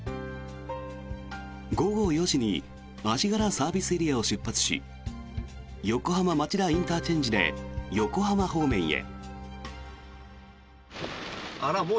午後４時に足柄ＳＡを出発し横浜町田ＩＣで横浜方面へ。